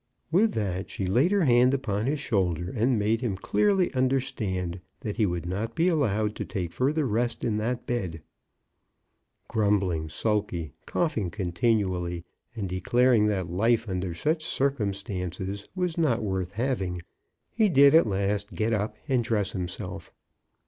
With that she laid her hand upon his shoulder, and made him clearly understand that he would not be allowed to take further rest in that bed. Grumbling, sulky, coughing continually, and declaring that life under such circumstances was not worth having, he did at last get up and dress himself.